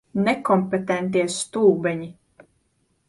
Nekompetentie stulbeņi.